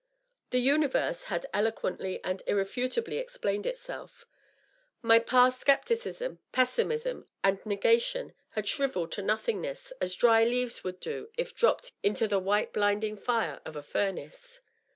The universe had eloquently and irrefutably explained itself. My past scepticism, pessimism and nega tion had shrivelled to nothingness as dry leaves would do if dropped into the white blinding fire of a furnace.